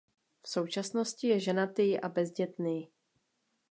V současnosti je ženatý a bezdětný.